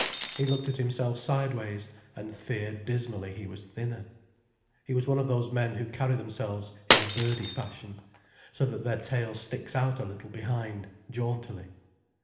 He looked at himself sideways, and feared dismally he was thinner. He was one of those men who carry themselves in a birdie fashion, so that their tail sticks out a little behind, jauntily.